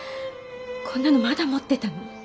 こんなのまだ持ってたの？